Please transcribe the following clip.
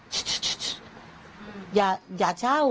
ชชชอย่าเช่า